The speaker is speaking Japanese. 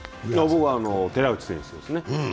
僕は寺内選手ですね。